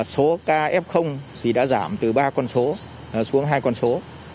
số kf thì đã giảm từ ba con số xuống hai con số